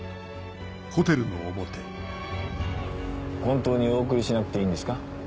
本当にお送りしなくていいんですか？